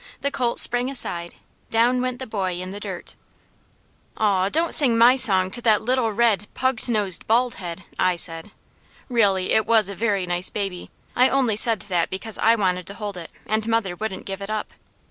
The colt sprang aside; down went the boy in the dirt." "Aw, don't sing my song to that little red, pug nosed bald head!" I said. Really, it was a very nice baby; I only said that because I wanted to hold it, and mother wouldn't give it up.